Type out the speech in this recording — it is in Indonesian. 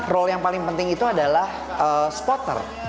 role yang paling penting itu adalah spotter